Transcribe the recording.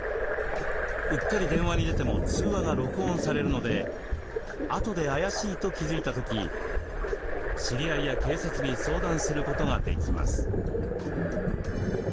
うっかり電話に出ても通話が録音されるのであとで怪しいと気付いた時知り合いや警察に相談することができます。